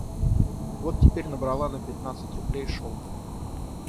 Вот теперь набрала на пятнадцать рублей шелку